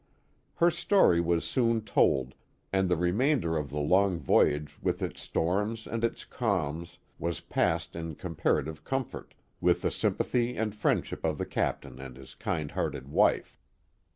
Her story was soon told, and the remainder of the long voyage with its storms and its calms was passed in comparative comfort, with the sym pathy and friendship of the captain and his kind hearted wife.